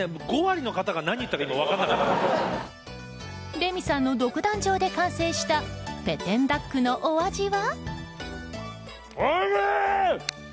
レミさんの独壇場で完成したペテンダックのお味は。